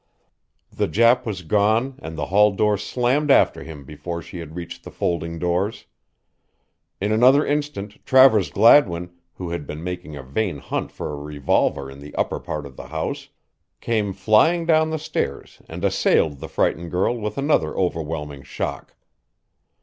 The Jap was gone and the hall door slammed after him before she had reached the folding doors. In another instant Travers Gladwin, who had been making a vain hunt for a revolver in the upper part of the house came flying down the stairs and assailed the frightened girl with another overwhelming shock.